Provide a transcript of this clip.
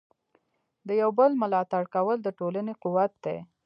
د یو بل ملاتړ کول د ټولنې قوت دی.